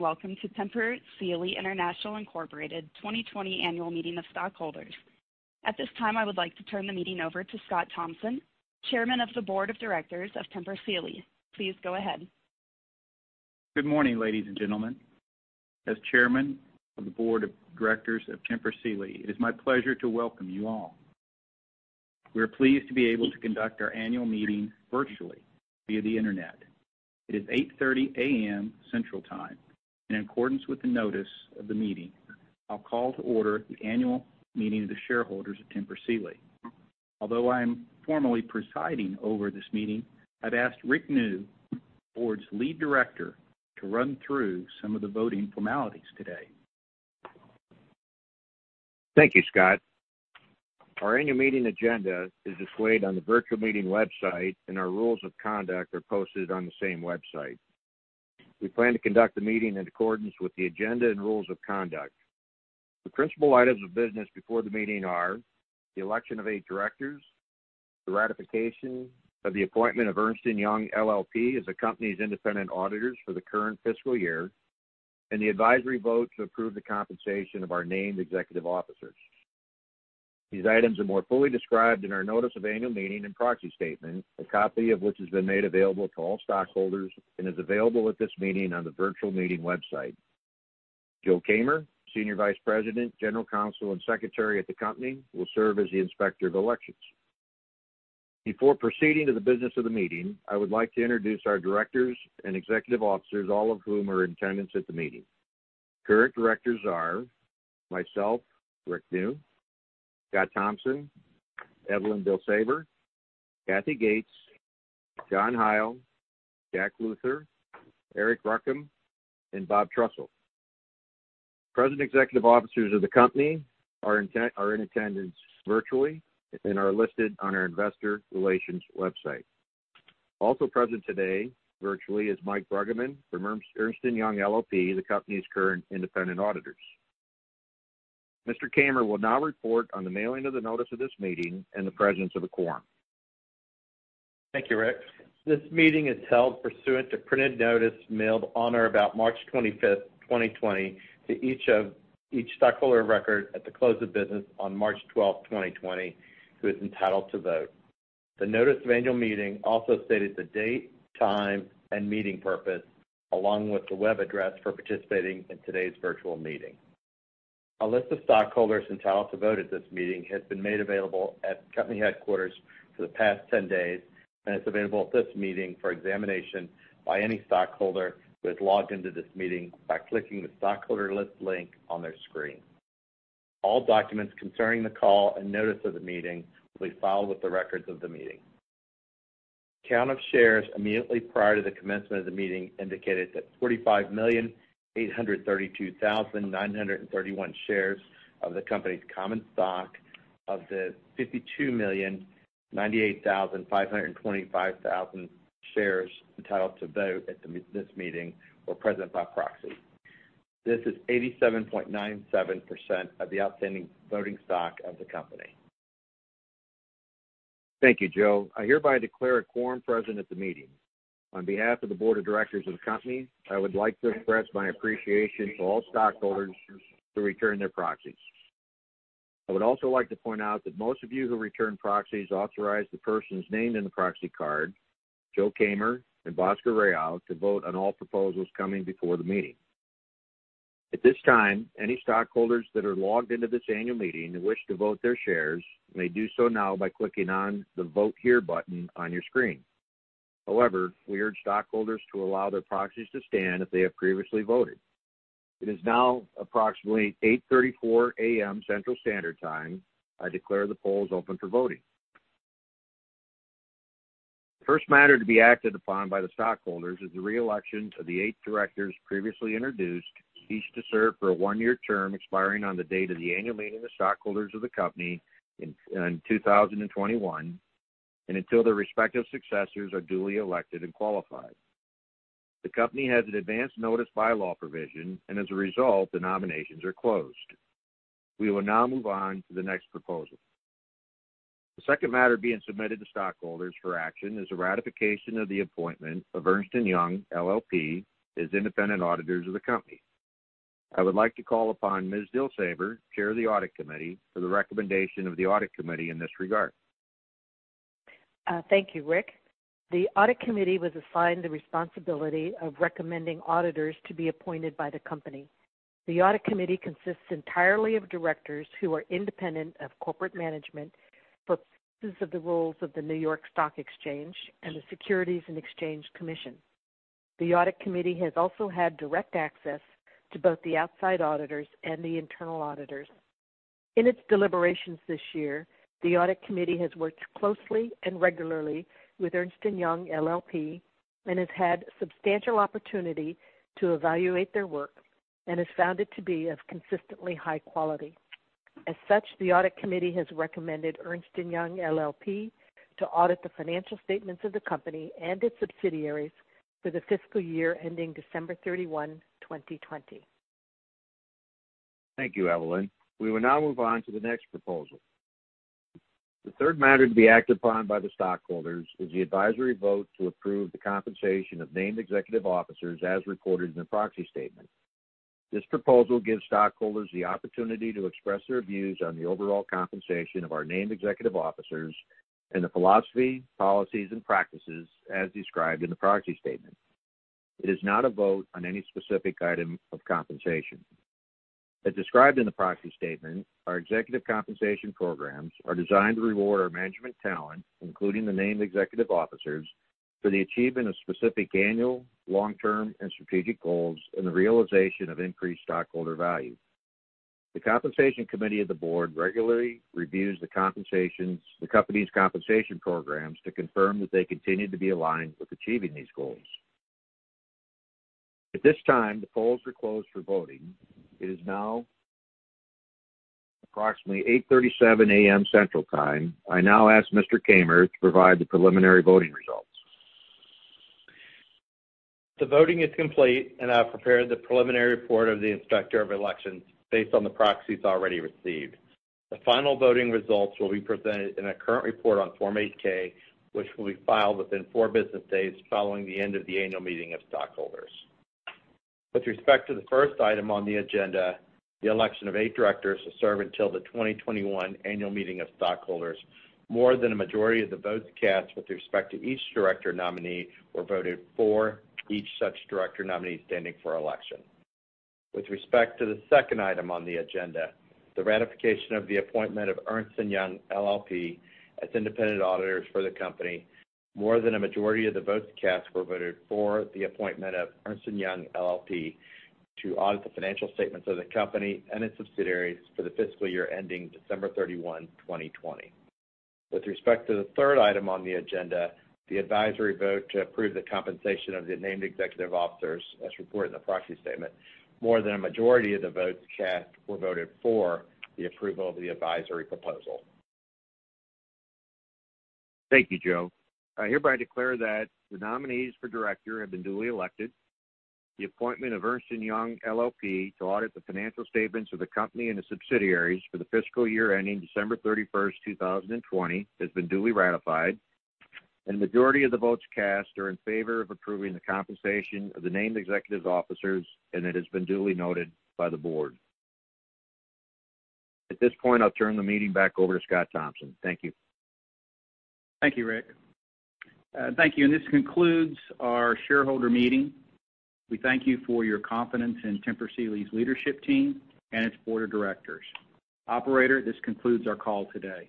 Welcome to Tempur Sealy International, Inc. 2020 Annual Meeting of Stockholders. At this time, I would like to turn the meeting over to Scott Thompson, Chairman of the Board of Directors of Tempur Sealy. Please go ahead. Good morning, ladies and gentlemen. As Chairman of the Board of Directors of Tempur Sealy, it is my pleasure to welcome you all. We are pleased to be able to conduct our Annual Meeting virtually via the internet. It is 8:30 A.M. Central Time. In accordance with the notice of the meeting, I'll call to order the Annual Meeting of the shareholders of Tempur Sealy. Although I am formally presiding over this meeting, I've asked Rick Neu, the board's lead director, to run through some of the voting formalities today. Thank you, Scott. Our annual meeting agenda is displayed on the virtual meeting website, and our rules of conduct are posted on the same website. We plan to conduct the meeting in accordance with the agenda and rules of conduct. The principal items of business before the meeting are the election of eight directors, the ratification of the appointment of Ernst & Young LLP as the company's independent auditors for the current fiscal year, and the advisory vote to approve the compensation of our named executive officers. These items are more fully described in our notice of annual meeting and proxy statement, a copy of which has been made available to all stockholders and is available at this meeting on the virtual meeting website. Joe Kamer, Senior Vice President, General Counsel, and Secretary at the company, will serve as the Inspector of Elections. Before proceeding to the business of the meeting, I would like to introduce our directors and executive officers, all of whom are in attendance at the meeting. Current directors are myself, Rick Neu, Scott Thompson, Evelyn Dilsaver, Cathy Gates, John Heil, Jack Luther, Arik Ruchim, and Bob Trussell. Present executive officers of the company are in attendance virtually and are listed on our investor relations website. Also present today virtually is Mike Bruggeman from Ernst & Young LLP, the company's current independent auditors. Mr. Kamer will now report on the mailing of the notice of this meeting and the presence of a quorum. Thank you, Rick. This meeting is held pursuant to printed notice mailed on or about March 25, 2020, to each stockholder of record at the close of business on March 12t, 2020, who is entitled to vote. The notice of annual meeting also stated the date, time, and meeting purpose, along with the web address for participating in today's virtual meeting. A list of stockholders entitled to vote at this meeting has been made available at company headquarters for the past 10 days and is available at this meeting for examination by any stockholder who has logged into this meeting by clicking the Stockholder List link on their screen. All documents concerning the call and notice of the meeting will be filed with the records of the meeting. Count of shares immediately prior to the commencement of the meeting indicated that 45,832,931 shares of the company's common stock of the 52,098,525 shares entitled to vote at this meeting were present by proxy. This is 87.97% of the outstanding voting stock of the company. Thank you, Joe. I hereby declare a quorum present at the meeting. On behalf of the board of directors of the company, I would like to express my appreciation to all stockholders who returned their proxies. I would also like to point out that most of you who returned proxies authorized the persons named in the proxy card, Joe Kamer and Bhaskar Rao, to vote on all proposals coming before the meeting. At this time, any stockholders that are logged into this annual meeting who wish to vote their shares may do so now by clicking on the Vote Here button on your screen. We urge stockholders to allow their proxies to stand if they have previously voted. It is now approximately 8:34 A.M. Central Standard Time. I declare the polls open for voting. The first matter to be acted upon by the stockholders is the re-election of the eight directors previously introduced, each to serve for a one-year term expiring on the date of the annual meeting of stockholders of the company in 2021, and until their respective successors are duly elected and qualified. The company has an advance notice bylaw provision, and as a result, the nominations are closed. We will now move on to the next proposal. The second matter being submitted to stockholders for action is the ratification of the appointment of Ernst & Young LLP as independent auditors of the company. I would like to call upon Ms. Dilsaver, Chair of the Audit Committee, for the recommendation of the Audit Committee in this regard. Thank you, Rick. The Audit Committee was assigned the responsibility of recommending auditors to be appointed by the company. The Audit Committee consists entirely of directors who are independent of corporate management for purposes of the rules of the New York Stock Exchange and the Securities and Exchange Commission. The Audit Committee has also had direct access to both the outside auditors and the internal auditors. In its deliberations this year, the Audit Committee has worked closely and regularly with Ernst & Young LLP and has had substantial opportunity to evaluate their work and has found it to be of consistently high quality. As such, the Audit Committee has recommended Ernst & Young LLP to audit the financial statements of the company and its subsidiaries for the fiscal year ending December 31, 2020. Thank you, Evelyn. We will now move on to the next proposal. The third matter to be acted upon by the stockholders is the advisory vote to approve the compensation of named executive officers as reported in the proxy statement. This proposal gives stockholders the opportunity to express their views on the overall compensation of our named executive officers and the philosophy, policies, and practices as described in the proxy statement. It is not a vote on any specific item of compensation. As described in the proxy statement, our executive compensation programs are designed to reward our management talent, including the named executive officers, for the achievement of specific annual long-term and strategic goals and the realization of increased stockholder value. The compensation committee of the board regularly reviews the company's compensation programs to confirm that they continue to be aligned with achieving these goals. At this time, the polls are closed for voting. It is now approximately 8:37 A.M. Central Time. I now ask Mr. Kamer to provide the preliminary voting results. The voting is complete, and I've prepared the preliminary report of the inspector of elections based on the proxies already received. The final voting results will be presented in a current report on Form 8-K, which will be filed within four business days following the end of the annual meeting of stockholders. With respect to the first item on the agenda, the election of eight directors to serve until the 2021 annual meeting of stockholders, more than a majority of the votes cast with respect to each director nominee were voted for each such director nominee standing for election. With respect to the second item on the agenda, the ratification of the appointment of Ernst & Young LLP as independent auditors for the company, more than a majority of the votes cast were voted for the appointment of Ernst & Young LLP to audit the financial statements of the company and its subsidiaries for the fiscal year ending December 31, 2020. With respect to the third item on the agenda, the advisory vote to approve the compensation of the named executive officers as reported in the proxy statement. More than a majority of the votes cast were voted for the approval of the advisory proposal. Thank you, Joe. I hereby declare that the nominees for director have been duly elected. The appointment of Ernst & Young LLP to audit the financial statements of the company and the subsidiaries for the fiscal year ending December 31, 2020, has been duly ratified. The majority of the votes cast are in favor of approving the compensation of the named executive officers, and it has been duly noted by the board. At this point, I'll turn the meeting back over to Scott Thompson. Thank you. Thank you, Rick. Thank you. This concludes our Annual Meeting of Stockholders 2020. We thank you for your confidence in Tempur Sealy's leadership team and its board of directors. Operator, this concludes our call today.